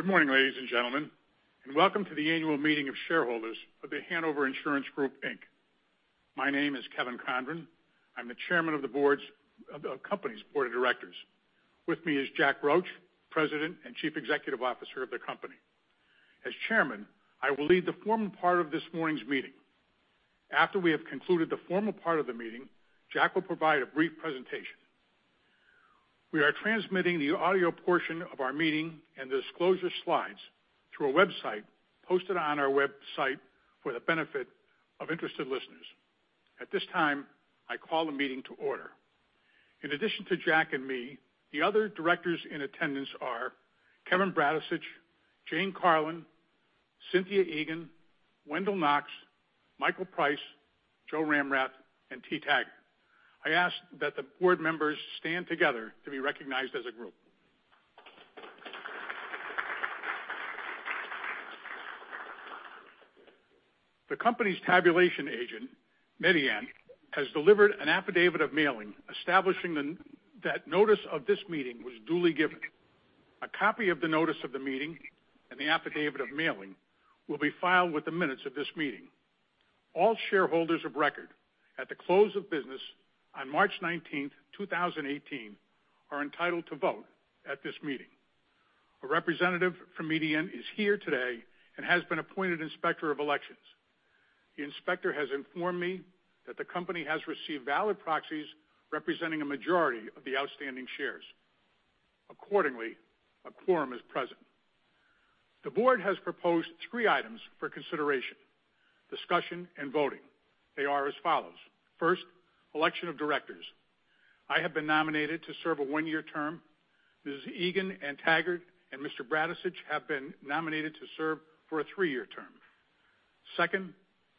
Good morning, ladies and gentlemen, and welcome to the annual meeting of shareholders of The Hanover Insurance Group, Inc. My name is Kevin Condron. I'm the Chairman of the company's Board of Directors. With me is Jack Roche, President and Chief Executive Officer of the company. As Chairman, I will lead the formal part of this morning's meeting. After we have concluded the formal part of the meeting, Jack will provide a brief presentation. We are transmitting the audio portion of our meeting and disclosure slides through a website posted on our website for the benefit of interested listeners. At this time, I call the meeting to order. In addition to Jack and me, the other directors in attendance are Kevin Bradicich, Jane Carlin, Cynthia Egan, Wendell Knox, Michael Price, Joe Ramrath, and T. Taggart. I ask that the board members stand together to be recognized as a group. The company's tabulation agent, Mediant, has delivered an affidavit of mailing establishing that notice of this meeting was duly given. A copy of the notice of the meeting and the affidavit of mailing will be filed with the minutes of this meeting. All shareholders of record at the close of business on March 19th, 2018, are entitled to vote at this meeting. A representative from Mediant is here today and has been appointed Inspector of Elections. The inspector has informed me that the company has received valid proxies representing a majority of the outstanding shares. Accordingly, a quorum is present. The board has proposed three items for consideration, discussion, and voting. They are as follows. First, election of directors. I have been nominated to serve a one-year term. Ms. Egan and T. Taggart and Mr. Bradicich have been nominated to serve for a three-year term. Second,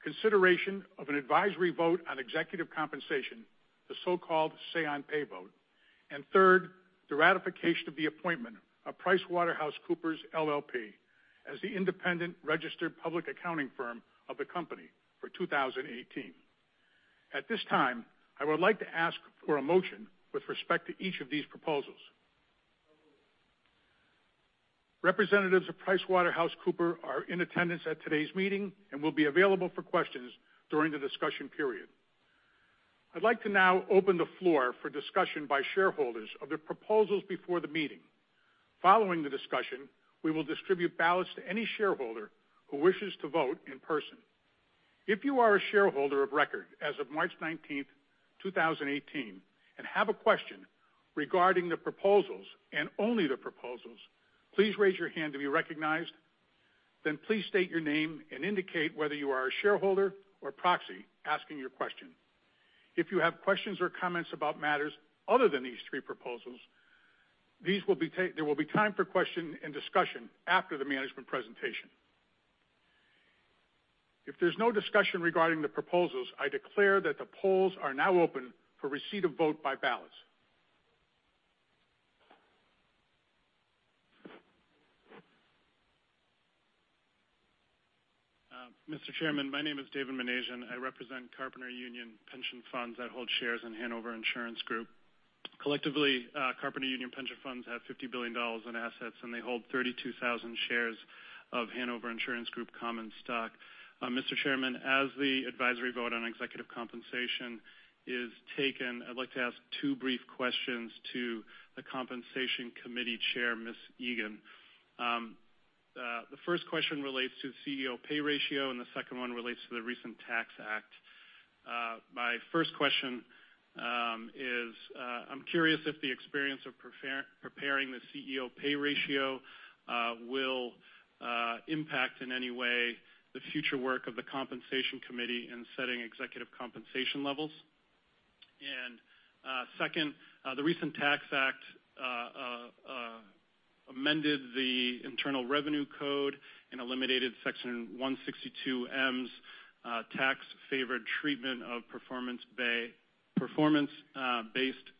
consideration of an advisory vote on executive compensation, the so-called Say on Pay vote. Third, the ratification of the appointment of PricewaterhouseCoopers, LLP as the independent registered public accounting firm of the company for 2018. At this time, I would like to ask for a motion with respect to each of these proposals. Representatives of PricewaterhouseCoopers are in attendance at today's meeting and will be available for questions during the discussion period. I'd like to now open the floor for discussion by shareholders of the proposals before the meeting. Following the discussion, we will distribute ballots to any shareholder who wishes to vote in person. If you are a shareholder of record as of March 19th, 2018, and have a question regarding the proposals, and only the proposals, please raise your hand to be recognized, then please state your name and indicate whether you are a shareholder or proxy asking your question. If you have questions or comments about matters other than these three proposals, there will be time for question and discussion after the management presentation. If there's no discussion regarding the proposals, I declare that the polls are now open for receipt of vote by ballots. Mr. Chairman, my name is David Menasian. I represent Carpenter Union Pension Funds that hold shares in Hanover Insurance Group. Collectively, Carpenter Union Pension Funds have $50 billion in assets, and they hold 32,000 shares of Hanover Insurance Group common stock. Mr. Chairman, as the advisory vote on executive compensation is taken, I'd like to ask two brief questions to the compensation committee chair, Ms. Egan. The first question relates to CEO pay ratio, and the second one relates to the recent Tax Act. My first question is, I'm curious if the experience of preparing the CEO pay ratio will impact in any way the future work of the compensation committee in setting executive compensation levels? Second, the recent Tax Act amended the Internal Revenue Code and eliminated Section 162(m)'s tax-favored treatment of performance-based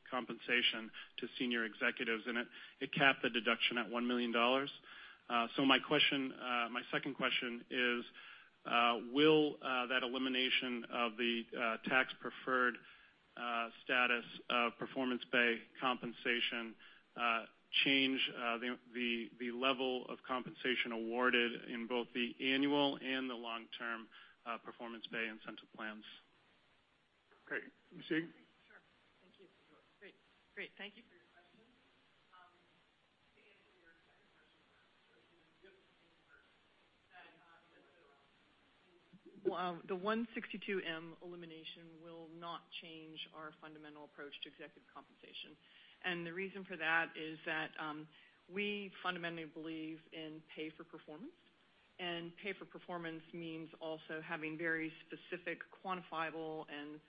compensation to senior executives, and it capped the deduction at $1 million. My second question is, will that elimination of the tax-preferred status of performance-based compensation change the level of compensation awarded in both the annual and the long-term performance-based incentive plans? Okay. Ms. Egan? Sure. Thank you. Great. Thank you for your question. To answer your second question first, the 162(m) elimination will not change our fundamental approach to executive compensation. The reason for that is that we fundamentally believe in pay for performance, and pay for performance means also having very specific, quantifiable, and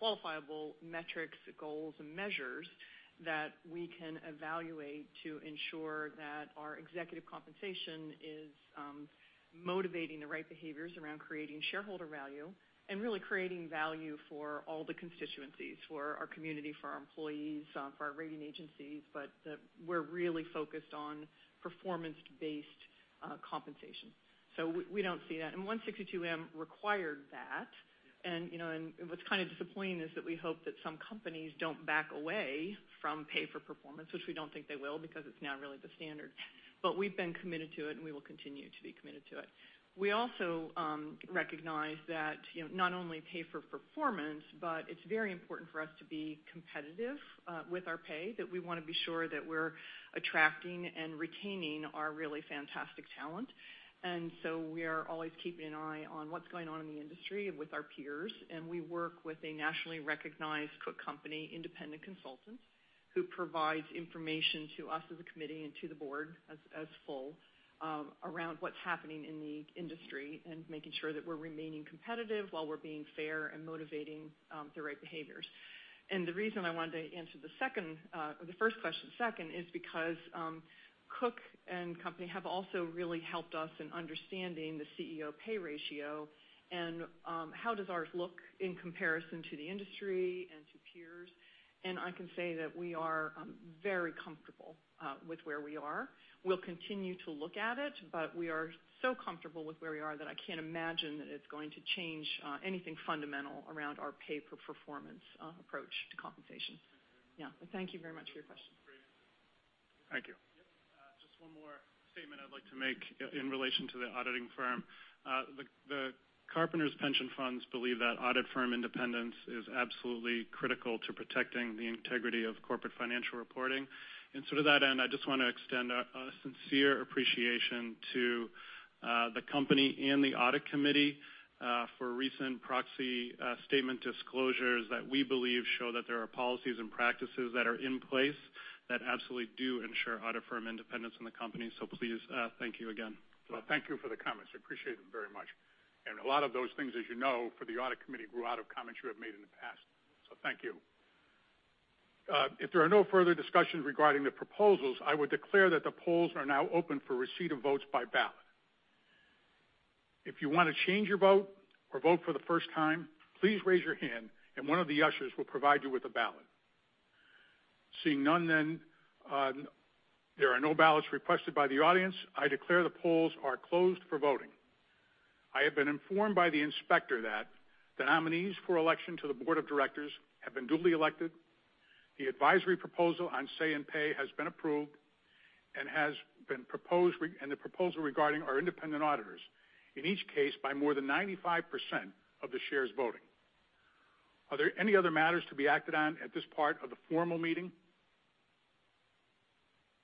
qualifiable metrics, goals, and measures that we can evaluate to ensure that our executive compensation is motivating the right behaviors around creating shareholder value and really creating value for all the constituencies, for our community, for our employees, for our rating agencies. We're really focused on performance-based compensation. We don't see that. 162(m) required that, and what's kind of disappointing is that we hope that some companies don't back away from pay for performance, which we don't think they will because it's now really the standard. We've been committed to it, and we will continue to be committed to it. We also recognize that not only pay for performance, but it's very important for us to be competitive with our pay, that we want to be sure that we're attracting and retaining our really fantastic talent. We are always keeping an eye on what's going on in the industry and with our peers, and we work with a nationally recognized Cook & Company independent consultant who provides information to us as a committee and to the board as full around what's happening in the industry and making sure that we're remaining competitive while we're being fair and motivating the right behaviors. The reason I wanted to answer the first question second is because Cook & Company have also really helped us in understanding the CEO pay ratio and how does ours look in comparison to the industry and to peers. I can say that we are very comfortable with where we are. We'll continue to look at it, but we are so comfortable with where we are that I can't imagine that it's going to change anything fundamental around our pay for performance approach to compensation. Yeah. Thank you very much for your question. Thank you. Just one more statement I'd like to make in relation to the auditing firm. The Carpenter Pension Funds believe that audit firm independence is absolutely critical to protecting the integrity of corporate financial reporting. To that end, I just want to extend a sincere appreciation to the company and the audit committee for recent proxy statement disclosures that we believe show that there are policies and practices that are in place that absolutely do ensure audit firm independence in the company. Please thank you again. Thank you for the comments. I appreciate them very much. A lot of those things, as you know, for the audit committee, grew out of comments you have made in the past. Thank you. If there are no further discussions regarding the proposals, I would declare that the polls are now open for receipt of votes by ballot. If you want to change your vote or vote for the first time, please raise your hand and one of the ushers will provide you with a ballot. Seeing none then, there are no ballots requested by the audience, I declare the polls are closed for voting. I have been informed by the inspector that the nominees for election to the board of directors have been duly elected, the advisory proposal on Say on Pay has been approved, and the proposal regarding our independent auditors. In each case, by more than 95% of the shares voting. Are there any other matters to be acted on at this part of the formal meeting?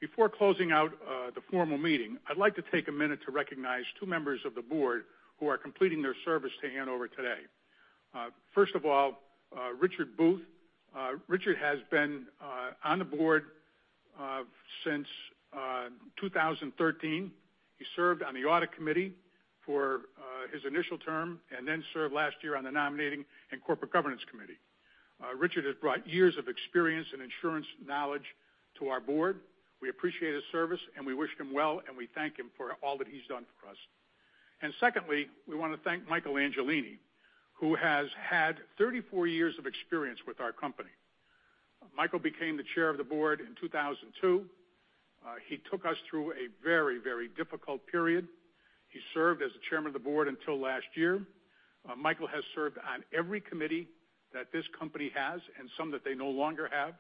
Before closing out the formal meeting, I'd like to take a minute to recognize two members of the board who are completing their service to Hanover today. First of all, Richard Booth. Richard has been on the board since 2013. He served on the audit committee for his initial term and then served last year on the nominating and corporate governance committee. Richard has brought years of experience and insurance knowledge to our board. We appreciate his service, and we wish him well, and we thank him for all that he's done for us. Secondly, we want to thank Michael Angelini, who has had 34 years of experience with our company. Michael became the chair of the board in 2002. He took us through a very, very difficult period. He served as the chairman of the board until last year. Michael has served on every committee that this company has and some that they no longer have.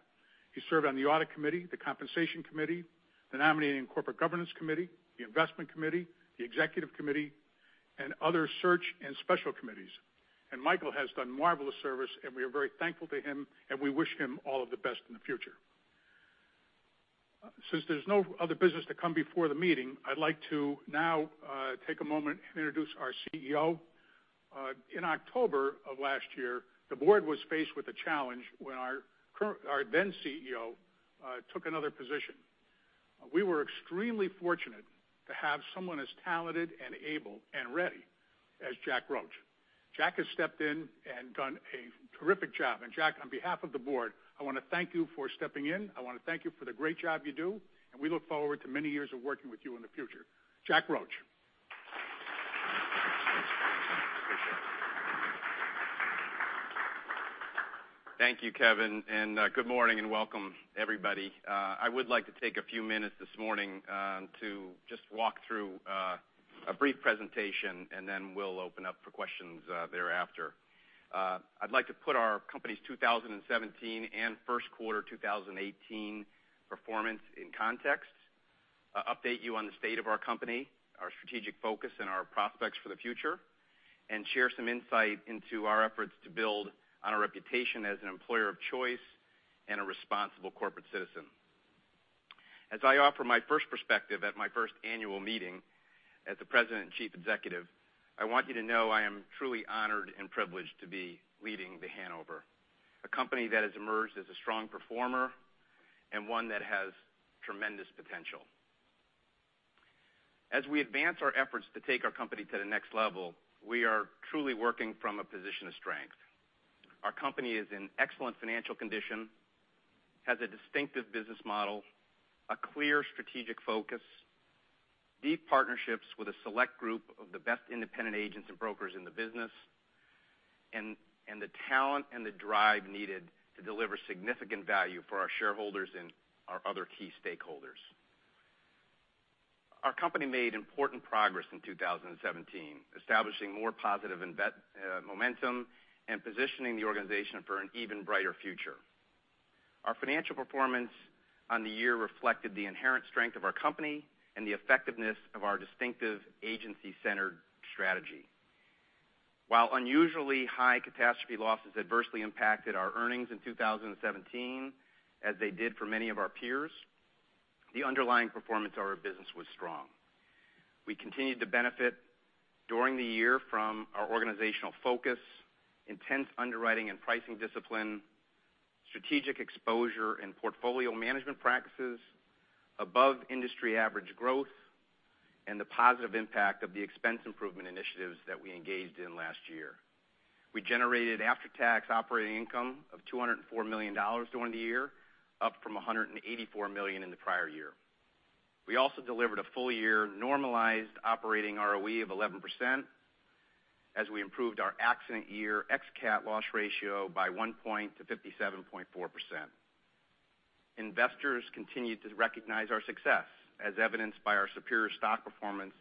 He served on the audit committee, the compensation committee, the nominating corporate governance committee, the investment committee, the executive committee, and other search and special committees. Michael has done marvelous service, and we are very thankful to him, and we wish him all of the best in the future. Since there's no other business to come before the meeting, I'd like to now take a moment and introduce our CEO. In October of last year, the board was faced with a challenge when our then CEO took another position. We were extremely fortunate to have someone as talented and able and ready as Jack Roche. Jack has stepped in and done a terrific job. Jack, on behalf of the board, I want to thank you for stepping in. I want to thank you for the great job you do, and we look forward to many years of working with you in the future. Jack Roche. Appreciate it. Thank you, Kevin, and good morning and welcome everybody. I'd like to take a few minutes this morning to just walk through a brief presentation, and then we'll open up for questions thereafter. I'd like to put our company’s 2017 and first quarter 2018 performance in context, update you on the state of our company, our strategic focus, and our prospects for the future, and share some insight into our efforts to build on our reputation as an employer of choice and a responsible corporate citizen. As I offer my first perspective at my first annual meeting as the President and Chief Executive, I want you to know I am truly honored and privileged to be leading The Hanover, a company that has emerged as a strong performer and one that has tremendous potential. As we advance our efforts to take our company to the next level, we are truly working from a position of strength. Our company is in excellent financial condition, has a distinctive business model, a clear strategic focus, deep partnerships with a select group of the best independent agents and brokers in the business. The talent and the drive needed to deliver significant value for our shareholders and our other key stakeholders. Our company made important progress in 2017, establishing more positive momentum and positioning the organization for an even brighter future. Our financial performance on the year reflected the inherent strength of our company and the effectiveness of our distinctive agency-centered strategy. While unusually high catastrophe losses adversely impacted our earnings in 2017, as they did for many of our peers, the underlying performance of our business was strong. We continued to benefit during the year from our organizational focus, intense underwriting and pricing discipline, strategic exposure and portfolio management practices above industry average growth, and the positive impact of the expense improvement initiatives that we engaged in last year. We generated after-tax operating income of $204 million during the year, up from $184 million in the prior year. We also delivered a full-year normalized operating ROE of 11% as we improved our accident year ex-cat loss ratio by one point to 57.4%. Investors continued to recognize our success, as evidenced by our superior stock performance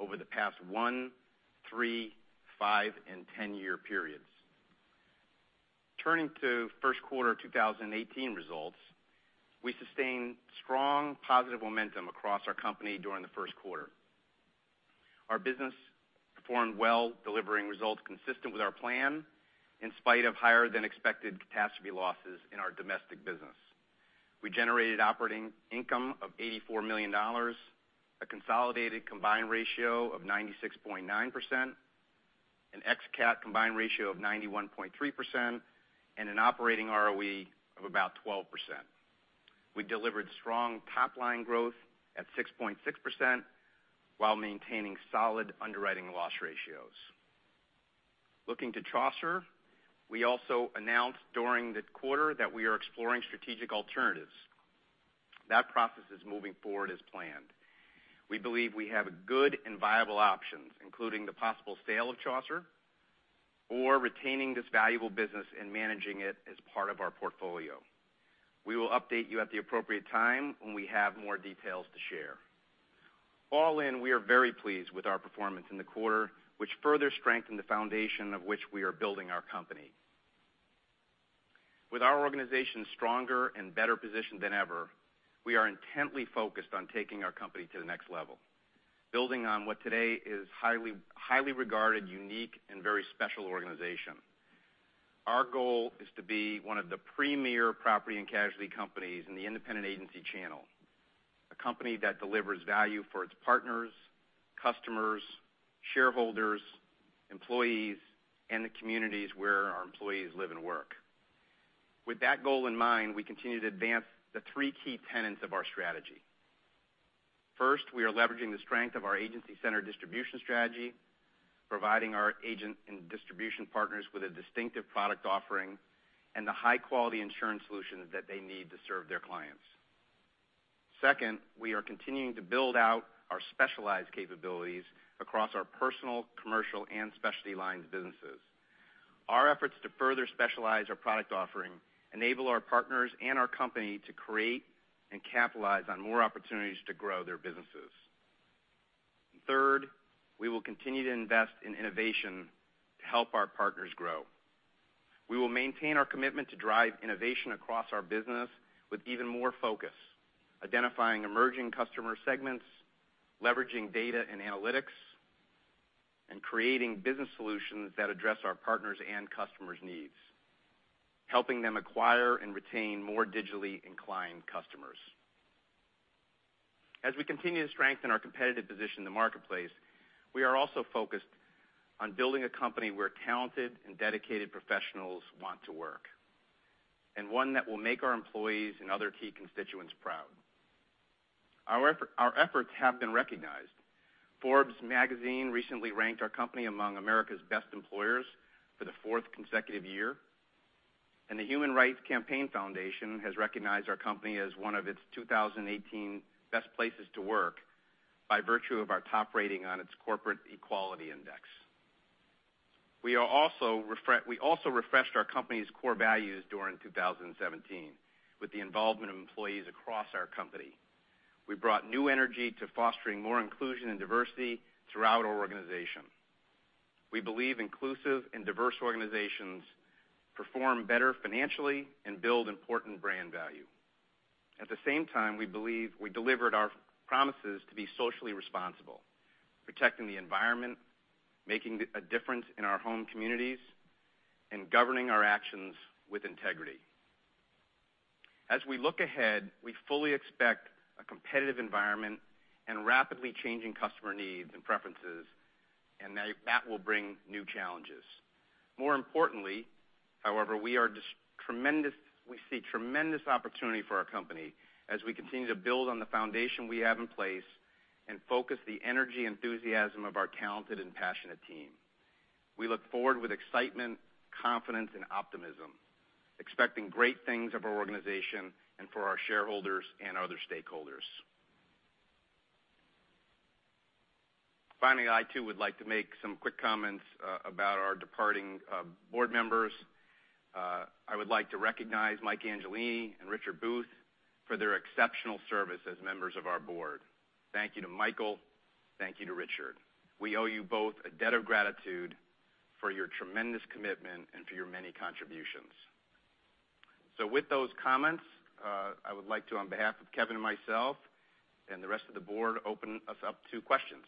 over the past one, three, five, and 10-year periods. Turning to first quarter 2018 results, we sustained strong positive momentum across our company during the first quarter. Our business performed well, delivering results consistent with our plan, in spite of higher than expected catastrophe losses in our domestic business. We generated operating income of $84 million, a consolidated combined ratio of 96.9%, an ex-cat combined ratio of 91.3%, and an operating ROE of about 12%. We delivered strong top-line growth at 6.6% while maintaining solid underwriting loss ratios. Looking to Chaucer, we also announced during the quarter that we are exploring strategic alternatives. That process is moving forward as planned. We believe we have good and viable options, including the possible sale of Chaucer, or retaining this valuable business and managing it as part of our portfolio. We will update you at the appropriate time when we have more details to share. All in, we are very pleased with our performance in the quarter, which further strengthened the foundation of which we are building our company. With our organization stronger and better positioned than ever, we are intently focused on taking our company to the next level. Building on what today is a highly regarded, unique and very special organization. Our goal is to be one of the premier property and casualty companies in the independent agency channel. A company that delivers value for its partners, customers, shareholders, employees, and the communities where our employees live and work. With that goal in mind, we continue to advance the three key tenets of our strategy. First, we are leveraging the strength of our agency-centered distribution strategy, providing our agent and distribution partners with a distinctive product offering and the high-quality insurance solutions that they need to serve their clients. Second, we are continuing to build out our specialized capabilities across our personal, commercial, and specialty lines businesses. Our efforts to further specialize our product offering enable our partners and our company to create and capitalize on more opportunities to grow their businesses. Third, we will continue to invest in innovation to help our partners grow. We will maintain our commitment to drive innovation across our business with even more focus, identifying emerging customer segments, leveraging data and analytics, and creating business solutions that address our partners' and customers' needs. Helping them acquire and retain more digitally inclined customers. As we continue to strengthen our competitive position in the marketplace, we are also focused on building a company where talented and dedicated professionals want to work, and one that will make our employees and other key constituents proud. Our efforts have been recognized. "Forbes" magazine recently ranked our company among America's best employers for the fourth consecutive year. The Human Rights Campaign Foundation has recognized our company as one of its 2018 best places to work by virtue of our top rating on its Corporate Equality Index. We also refreshed our company's core values during 2017 with the involvement of employees across our company. We brought new energy to fostering more inclusion and diversity throughout our organization. We believe inclusive and diverse organizations perform better financially and build important brand value. At the same time, we believe we delivered our promises to be socially responsible, protecting the environment, making a difference in our home communities, and governing our actions with integrity. As we look ahead, we fully expect a competitive environment and rapidly changing customer needs and preferences, and that will bring new challenges. More importantly, however, we see tremendous opportunity for our company as we continue to build on the foundation we have in place and focus the energy and enthusiasm of our talented and passionate team. We look forward with excitement, confidence and optimism, expecting great things of our organization and for our shareholders and other stakeholders. Finally, I too would like to make some quick comments about our departing board members. I would like to recognize Mike Angelini and Richard Booth for their exceptional service as members of our board. Thank you to Michael. Thank you to Richard. We owe you both a debt of gratitude for your tremendous commitment and for your many contributions. With those comments, I would like to, on behalf of Kevin and myself and the rest of the board, open us up to questions.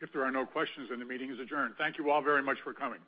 If there are no questions, the meeting is adjourned. Thank you all very much for coming.